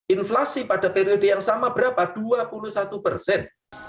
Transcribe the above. inflasi pada periode yang sama berapa dua puluh satu persen